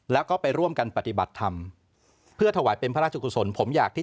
แล้วก็ไปร่วมกันปฏิบัติธรรมเพื่อถวายเป็นพระราชกุศลผมอยากที่